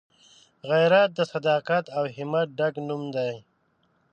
غیرت د صداقت او همت ګډ نوم دی